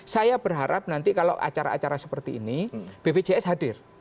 saya berharap nanti kalau acara acara seperti ini bpjs hadir